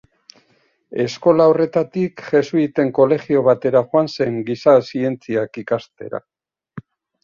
Eskola horretatik jesuiten kolegio batera joan zen giza zientziak ikastera.